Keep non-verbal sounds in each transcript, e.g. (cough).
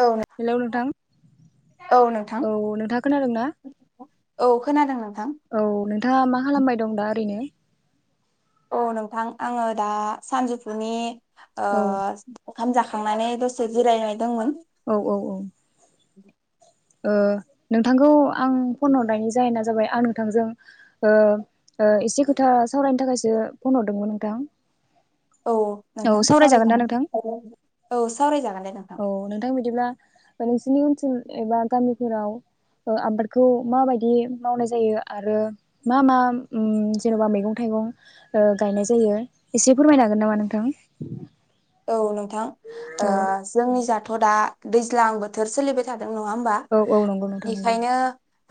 औ हेलौ नोंथां औ नोंथाङा खोनादोंना औ खोनादों नोंथां औ नोंथाङा मा खालामबाय दं दा ओरैनो औ नोंथां आङो दा सानजौफुनि ओ औ ओंखाम जाखांनानै दसे जिरायनाय दंमोन औ औ औ ओ नोंथांखौ आं फन हरनायनि जाहोना जाबाय आं नोंथांजों ओ ओ एसे खोथा सावरायनो थाखायसो फन हरदोंमोन नोंथां औ औ नोंथां ना नोंथां? सावरायजागोन औ सावरायजागोन दे नोंथां औ बिदिब्ला (inaudible) एबा गामिफोराव ओ आबादखौ माबायदि मावनाय जायो आरो मा मा उम जेनेबा मेगं थाइगं ओ गायनाय जायो एसे फोरमायनो हागोन नामा नोंथां औ नोंथां ओ औ जोंनि जा थ दा दैज्लां बोथोर सोलिबाय था औ औ नंगौ नोंथा नंगौ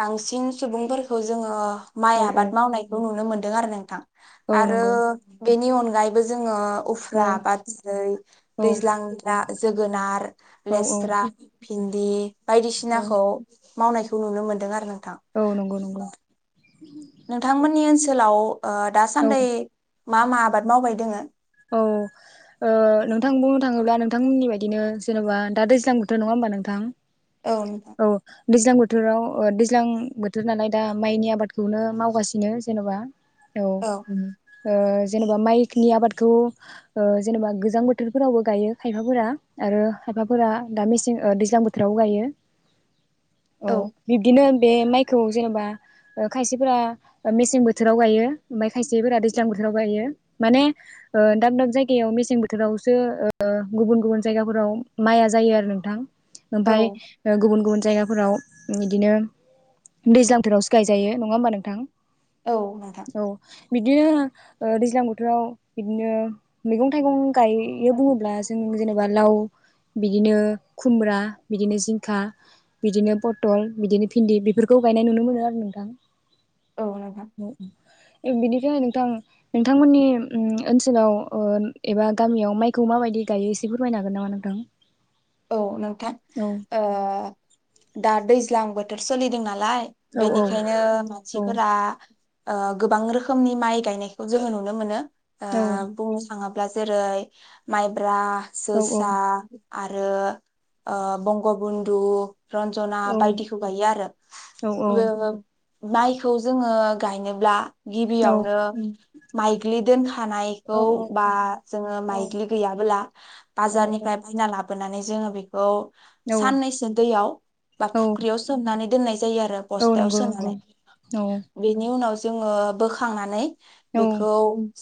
बांसिन सुबुंफोरखौ जोङो। माइ औ औ आबाद मावनायखौ नुनो मोन (inaudible) आरो नोंथां औ आरो नंगौ बेनि अ (inaudible) यबो जोङो औ उफ्रा बा (inaudible) (inaudible) औ दैज्लां (inaudible) जोगोनार। औ औ लेस्रा (inaudible) दि। औ बायदिसिनाखौ। मावनायखौ नुनो मोनदों आरो (inaudible) औ नंगौ नंगौ। नोंथांमोननि ओनसोलाव। औ दासान्दि मा मा आबाद मावबाय दोङो? औ नोंथां बुंनो थाङोब्ला नोंथांमोननि बायदिनो जेनेबा दा दैज्लां बोथोर नङा होमबा नोंथां। औ नोंथां। दैज्लां बोथोराव दैज्लां बोथोर नालाय दा माइनि आबादखौनो मावगासिनो जेनबा औ ओ। जेनेबा माइकनि आबाद बेखौ जेनेबा गोजां बोथोरफोरावबो गायो खायफाफोरा आरो खायफाफोरा दा मेसें दैज्लां बोथोरावबो गायो। औ बिब्दिनो। बे माइखौ जेनेबा खायसेफोरा मेसें बोथोराव गायो ओमफ्राय खायसेफोरा दैज्लां बोथोराव गायो माने। दाब दाब जायगायाव मेसें बोथोरावसो गुबुन गुबुन जायगाफोराव माइया जायो आरो नोंथां। ओमफ्राय गुबुन गुबुन। जायगाफोराव बिदिनो दैज्लां फोरावसो गायजायो नङा होमबा नोंथां। औ नोंथां। औ बिदिनो दैज्लां बोथोराव। बिदिनो मैगं थाइगं। गायो बुङोब्ला जों। जेनेबा लाव बिदिनो खुमब्रा बिदिनो जिंखा बिदिनो पथल बिदिनो भिन्दि बेफोरखौ गायनाय नुनो मोनो आरो नोंथां। औ नोंथां औ। बिनिखायनो नोंथां नोंथांमोननि। ओनसोलाव एबा गामियाव माइखौ माबायदि गायो एसे फोरमायनो हागोन नामा नोंथां। औ नोंथां औ ओ दा दै इलाम बोथोर सोलिदों ना नालाय औ बेनिखायनो औ मानसिफोरा ओ गोबां रोखोमनि माइ गायनायखौ जोङो नुनो मोनो। ओ औ बुंनो थाङा जेरै माइब्रा औ जोसा आरो ओ बंग बन्धु रन्जना बायदिखौ गायो आरो औ माइखौ जोङो गायनोब्ला गिबियावनो माइग्लि दोनखानायखौ बा जोङो माइग्लि गैयाबोला बाजारनिफ्राय बायना लाबोयो। लाबोनानै जोङो बेखौ औ साननैसो दैयाव बा फुख्रियाव सोमनानै दोननाय जायो आरो औ बस्थायाव नंगौ नंगौ सोनानै औ बेनि उनाव जोङो बोखांनानै औ बेखौ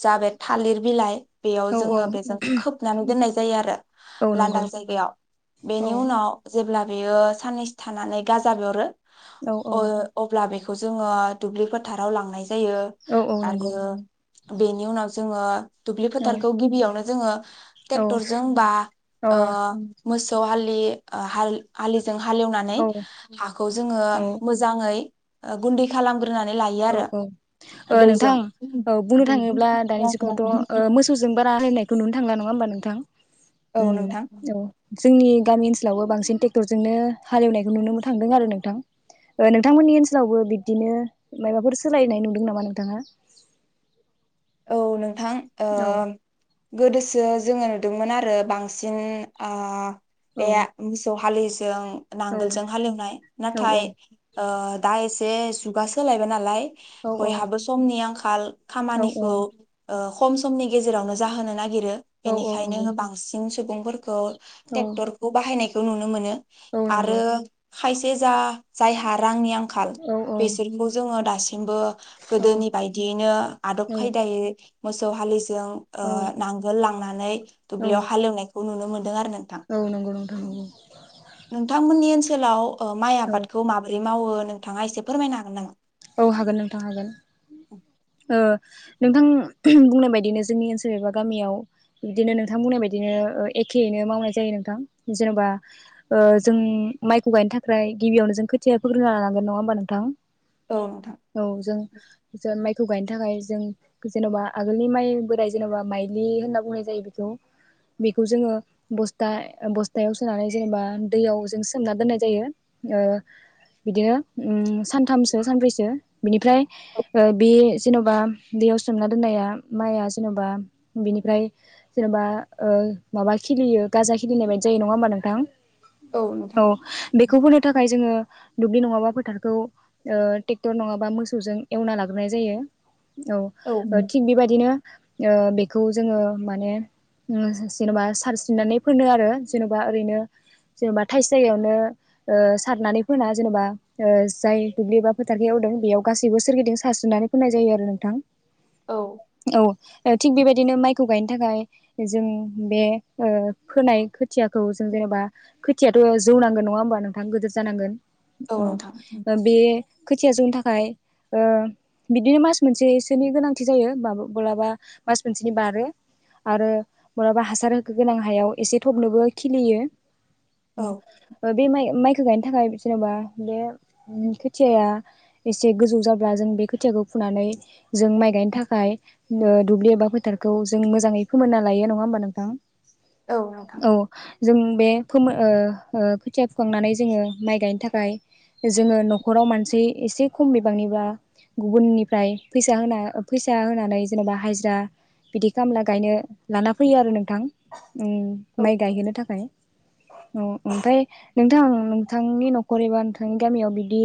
जाबाय थालिर बिलाइ बेयाव औ औ जोङो बेजों खोबनानै दोननाय जायो आरो औ नंगौ लांदां (unintelligible) अब्ला औ बेनि उनाव जेब्ला बेयो साननैसो थानानै गाजा हरो औ औ अ अब्ला बे जोङो दुब्लि फोथाराव लांनाय जा जायो औ औ आरो नंगौ बेनि उनाव जोङो दुब्लि औ फोथारखौ गिबियावनो जोङो अ औ ट्रेक्टरजों बा अ (unintelligible) मोसौ हालि (unintelligible) जों हालेवनानै औ हाखौ जोङो मोजाङै गुन्दै खालाम औ औ नोंथां औ बुंनो थाङोब्ला दानि जुगावथ मोसौजों बारा (unintelligible) हालेवनायखौ नुनो थांला नङा होमबा नोंथां औ उम नोंथां औ जोंनि गामि ओनसोलावबो बांसिन ट्रेक्टरजोंनो हालेवनायखौ नुनो मोन थांदों आरो नोंथां नोंथांमोननि ओनसोलावबो बिदिनो माबाफोर सोलायनाय नुदों नामा नोंथाङा औ नों नोंथां ओ औ ओं गोदोसो जोङो नुदोंमोन आरो बांसिन आ औ ए मोसौ हालिस इहों औ नांगोलजों हालेवनाय औ औ नाथाय ओ डाइस, बे जुगास होलायबाय नालाय, औ बयहाबो समनि आंखा खाल औ खामानि खौ ओ खम समनि गेजेरावनो जाहोनो नागिर नागिरो औ औ नंगौ बेनिखायनो बांसिन सुबुंफोर (unintelligible) औ ट्रेक्टरखौ बाहायनाय, खौ नुनो मोनो औ नंगौ आरो खायसे जा जायहा रांनि आंखाल औ बेसोरखौ जोङो दासिम नोंबो गोदोनि बायदियैनो आदब औ खायदायै मोसौ हालिस इयां ओ औ नांगोल लांना नै औ दुल्बिआव हालौनाय खौ नुनो मोनदों आरो ना औ नंगौ नंगौ नंगौ नोंथांमोननि ओनसोलाव, ओ माइ औ आबादखौ माबोरै, मावो नोंथाङा एसे फोरमायनो हागोन नामा? औ हागोन नोंथां हागोन ओ नोंथां ओम बुंनाय बायदिनो जोंनि ओनसोल एबा गामियाव बिदिनो नोंथां बुंनाय बायदिनो एखेयैनो मावनाय जायो नोंथां जेनबा ओ जों माइखौ गायनो थाखाय गिबियावनो जों खोथिया फोग्रोना लानांगोन नङा होमबा नोंथां, औ नोंथां औ जों जों माइ खौ गायनो थाखाय जों जेनबा आगोलनि माइ बोराइ जेनेबा माइलि होनना बुंनाय जायो, बेखौ बेखौ जोङो बस्था बस्थायाव सोनानै जेनेबा दैयाव जों सोमना दोननाय जायो बिदिनो ओ सानथामसो सानब्रैसो बिनिफ्राय ओ बे जेनबा दैयाव सोमना दोननाया माइआ जेनबा बिनिफ्राय जेनबा ओ माबा खिलियो गाजा खिलिनाय बायदि जायो नङा होमबा नोंथां औ बेखौ फोनो थाखाय जोङो दुब्लि नङाबा फोथारखौ ओ ट्रेक्टर नङाबा मोसौजों एवना लाग्रोनाय जायो। औ ओ थिग बेबायदिनो ओ बेखौ जोङो माने ओम सारस्रि जेनेबा सारस्रिनानै फोनो आरो जेनबा ओरैनो जेनेबा थाइस जायगायावनो ओ सारनानै फोना जेनेबा ओ जाय दुब्लि एबा फोथारखै एवदों बेयाव गासैबो सोरगिदिं सारस्रोनानै फोननाय जायो आरो नोंथां। औ थिग बेबायदिनो माइखौ गायनो थाखाय जों बे ओ फोनाय खोथियाखौ जों जेनेबा खोथियाथ जौनांगोन नङा होमबा नोंथां गोदोर जानांगोन। औ ओ खोथिया जौनो थाखाय ओ बिदिनो मास मोनसेसोनि गोनांथि जायो माब्लाबा मास मोनसेनि बारो आरो माल्बाबा हासार होख गोनां हायाव एसे थबनोबो खिलियो औ औ बे मायाव माय जौनायनि थाखाय जेनबा बे खोथियाया एसे गोजौ जाब्ला जों बे खोथियाखौ फुनानै जों माइ गायनो थाखाय नो दुब्लि एबा फोथारखौ जों मोजाङै फोमोनना लायो नङा होमबा नोंथां औ नोंथां औ जों बे फोमो ओ ओ खोथिया फुखांनानै जोङो माइ गायनो थाखाय जोङो नखराव मानसि एसे खम बिबांनिबा गुबुननिफ्राय फैसा होना फैसा होनानै जेनेबा हाजिरा बिदि खामला गायनो लाना फैयो आरो नोंथां उम औ माइ गायहोनो थाखाय। औ ओमफ्राय नोंथां नोंथांनि नखर एबा नोंथांनि गामियाव बिदि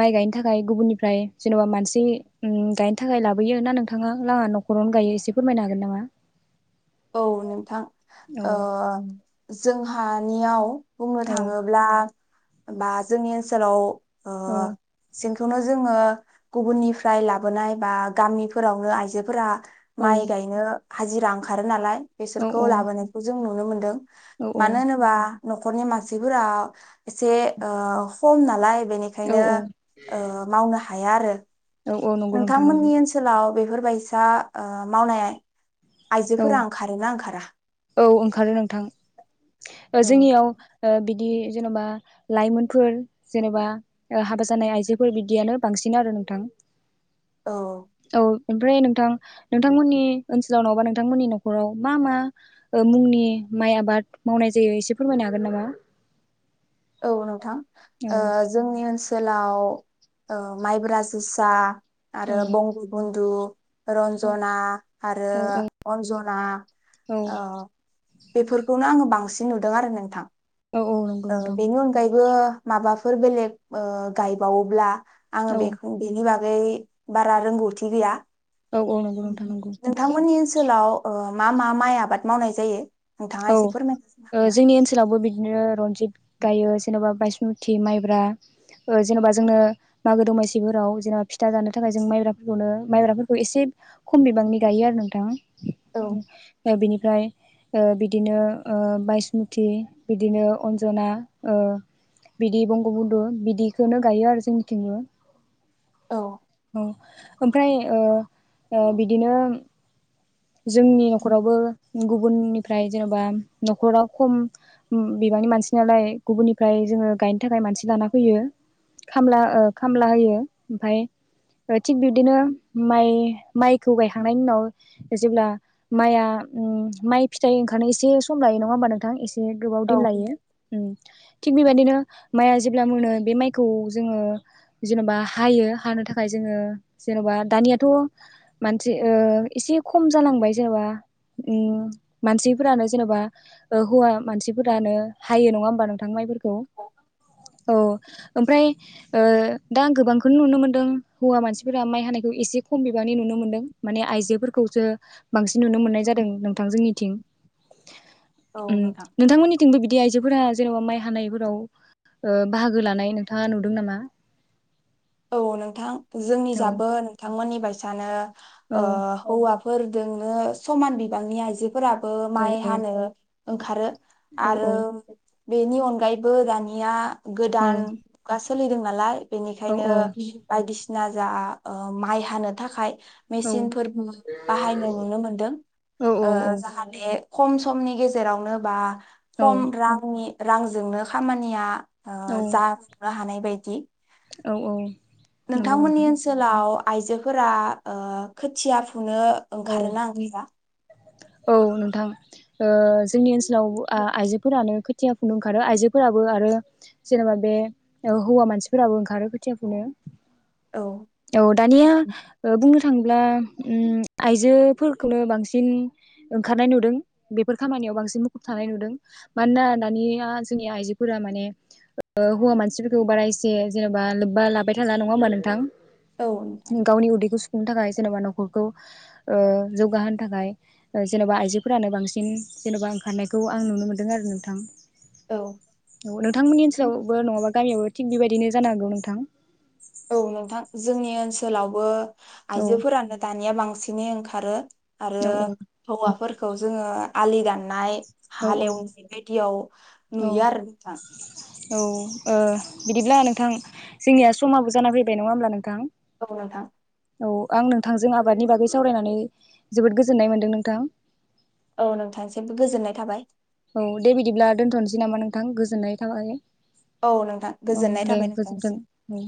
माइ गायनो थाखाय गुबुननिफ्राय जेनबा मानसि उम गायनो थाखाय लाबोयो ना नोंथाङा नाङा नखरावनो गायो एसे फोरमायनो हागोन नामा? औ नोंथां औ ओ जोंहा नियाव बुंनो औ थाङोब्ला बा जोंनि ओनसोलाव ओ औ (unintelligible) बेखौनो जोङो गुबुननिफ्राय लाबोनाय बा गामिफोरावनो आइजोफोरा औ माइ गाइनो हाजिरां ओंखारो नालाय औ बेसोरखौ लाबोनायखौ जों नुनो मोन औ (unintelligible) मानो होनोबा नखरनि मानसिफोरा एसे ओ खम नालाय औ बेनिखायनो औ ओ मावनो हाया आरो औ औ नंगौ नोंथां नंगौ नोंथांमोननि ओनसोलाव बेफोर बायसा ओ मावनाय औ आइजोफोरा ओंखारोना ओंखारा औ ओंखारो नोंथां। ओ औ जोंनियाव ओ बि बिदि जेनबा लाइमोनफोर जेनबा हाबा जानाय आइजोफोर बिबदियानो बांसिन आरो नोंथां। औ औ ओमफ्राय नोंथां नोंथांमोननि ओनसोलाव नङाबा नों नोंथांमोननि नखराव मा मा मुंनि माइ आबाद मावनाय जायो एसे फोरमायनो हागोन नामा? औ नोंथां औ ओ जोंनि ओनसो सोलाव ओ माइब्रा जोसा औ आरो बंग बन्धु रन्जना आरो औ अन्ज ना औ अ बेफोरखौनो आङो बांसिन नुदों आरो नोंथां। औ औ नंगौ ओ नोंथां बेनि अनगायैबो माबाफोर बेलेग ओ गायबावोब्ला आंङो औ बेखौ बेनि बागै गै बारा रोंगौथि गैया। औ औ नंगौ नोंथां नंगौ नोंथांमोननि ओनसोलाव ओ मा मा माइ आबाद मावनाय जायो? नोंथाङा औ एसे फोरमायना ओ होनो हागोन ना? जोंनि ओनसोलावबो बिदिनो गायो जेनेबा बाइसमुथि माइब्रा ओ जेनबा जोंनो मागो दमासिफोराव जेनेबा फिथा जानो थाखाय जों माइब्राफोरखौनो माइब्राफोरखौ एसे खम बिबांनि गायो आरो नोंथां। दा बिनि (inaudible) ओ बिदिनो ओ बाइसमुथि बिदिनो अन्जना ओ बिदि बंग बन्धु बिदिखोनो गायो आरो जोंनिथिंबो औ औ ओमफ्राय ओ ओ बिदिनो जोंनि नखरावबो गुबुननिफ्राय जेनबा नखराव खम बिबांनि मानसि नालाय गुबुननिफ्राय जोङो गायनो थाखाय मानसि लाना फैयो खामला ओ खामला होयो ओमफाय ओमफाय थिग बिब्दिनो माइ माइखौ गायखांनायनि उनाव जेब्ला माइआ उम माइ फिथाइ ओंखारनो एसे सम लायो नङा होमबा नोंथां इस गोबाव दिन औ लायो। उम थिग बेबायदिनो माइआ जेब्ला मोनो बे माइखौ जोङो जेनबा हायो हानो थाखाय जोङो जेनबा दानियाथ मानसि ओ एसे खम जालांबाय जेनेबा उम मानसिफोरानो जेनेबा हौवा मानसिफोरानो हायो नङा होमबा नोंथां माइफोरखौ औ ओमफ्राय ओ दा आं गोबांखौनो नुनो मोनदों हौवा मानसिफोरा माइ हानायखौ एसे खम बिबांनि नुनो मोनदों माने आइजोफोर खौसो बां नुनो मोननाय जादों नोंथां जोंनि थिं औ उम नोंथां नोंथांमोननिथिंबो बिदि आइजो फोरा जेनेबा माइ हानायफोराव ओ बाहागो लानाय नोंथाङा नुदों नामा औ नोंथां जोंनि औ जाबो नोंथांमोननि बाय सानो औ ओ हौवा फोरजोंनो समान बिबांनि आइजो फोराबो औ माइ हानो औ ओंखारो औ आरो औ बेनि अनगायैबो दानिया औ गोदान मुगा सोलिदों नालाय बेनिखाय औ ओंखायनो औ बायदिसिना जा ओ माइ हानो थाखाय औ मेसिनफोर बो बाहायनो नुनो मोनदों औ जाहाथे खम समनि गेजेरावनो बा औ खम रांनि रांजोंनो खामानिया आ औ जफुं नो हानाय बायदि औ औ नंगौ नोंथांमोननि नोंथां ओनसोलाव आयजोफोरा ओ खोथिया फु फुनो औ ओंखारोना ओ गैया औ नोंथां ओ जोंनि ओनसोलाव आ आइजोफोरानो खोथिया फुनो ओंखारो आइजोफोराबो आरो जेनेबा बे हौवा मानसिफोराबो ओंखारो खोथिया फुनो। औ औ दानिया ओ बुंनो थांब्ला उम आइजोफोरखौनो बांसिन ओंखारनाय नुदों बेफोर खामानियाव बांसिन मुखुब थानाय नुदों मानोना दानिया जोंनि आइजोफोरा माने ओ हौवा मानसिफोरखौ बारा एसे जेनेबा लोब्बा लाबाय थाला नङा होमबा नोंथां। औ नोंथां। गावनि उदैखौ सु खुंनो थाखाय जेनेबा नखरखौ ओ जौगाहोनो थाखाय जेनबा आइजोफोरानो बांसिन जेनबा ओंखारनायखौ आं नुनो मोनदों आरो नोंथां औ नोंथांमोननि ओनसोलावबो नङाबा गामियावाबबो थिग बेबायदिनो जानांगौ नोंथां औ नोंथां जोंनि ओनसोलावबो औ आयजोफोरानो दानिया बांसि बिनि ओंखारो आरो औ हौवाफोरखौ जोङो आलि दाननाय औ हाल एवनाय बिदियाव औ नुयो आरो नोंथां औ ओ बिदिब्ला नोंथां जोंनिया समाबो जाना फैबाय नङा होमब्ला नोंथां। औ नोंथां। औ आं नोंथांजों आबादनि बागै सावरायनानै जोबोद गोजोननाय मोनदों नोंथां। औ नोंथांसिमबो गोजोननाय थाबाय। औ दे बिदिब्ला दोनथनोसै नामा नोंथां गोजोननाय थाबाय। औ नोंथां औ गोजोननाय दे थाबाय गोजोन्थों नोंथांसिम। औ